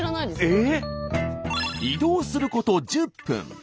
移動すること１０分。